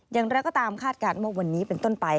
อย่างไรก็ตามคาดการณ์ว่าวันนี้เป็นต้นไป